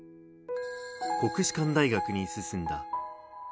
国士舘大学に進んだ。